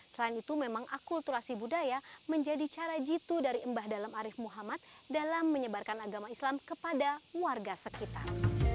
selain itu memang akulturasi budaya menjadi cara jitu dari mbah dalem arif muhammad dalam menyebarkan agama islam kepada warga sekitar